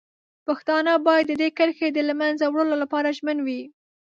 پښتانه باید د دې کرښې د له منځه وړلو لپاره ژمن وي.